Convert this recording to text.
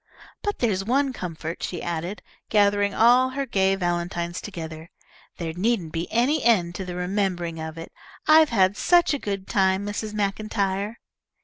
"But there's one comfort," she added, gathering all her gay valentines together, "there needn't be any end to the remembering of it. I've had such a good time, Mrs. MacIntyre."